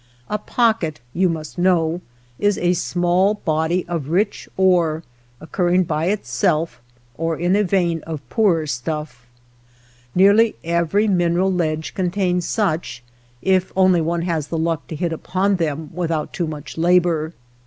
A pocket, you must know, is a small body of rich ore oc curring by itself, or in a vein of poorer stuff. Nearly every mineral ledge contains such, if only one has the luck to hit upon them without too much labor.